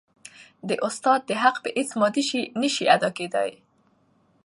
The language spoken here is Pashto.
د استاد د حق په هيڅ مادي شي نسي ادا کيدای.